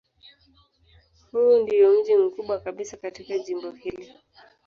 Huu ndiyo mji mkubwa kabisa katika jimbo hili.